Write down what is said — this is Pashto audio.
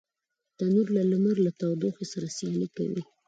تنور د لمر له تودوخي سره سیالي کوي